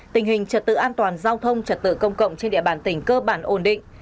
tình hình trật tự an toàn giao thông trật tự công cộng trên địa bàn tỉnh cơ bản ổn định